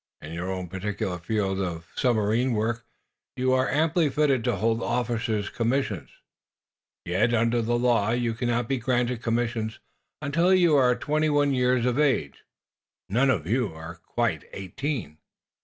In your own particular field of submarine work you are amply fitted to hold officers' commissions. Yet, under the law, you cannot be granted commissions until you are twenty one years of age. None of you are quite eighteen.